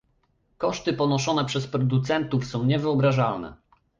Koszty ponoszone przez producentów są niewyobrażalne